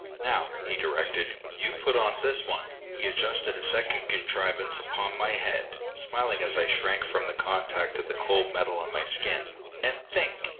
"Now," he directed, "you put on this one" he adjusted a second contrivance upon my head, smiling as I shrank from the contact of the cold metal on my skin "and think!"